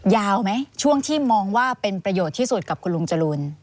ยาวไหมช่วงที่มองว่าเป็นประโยชน์ที่สุดกับคุณลุงจรูน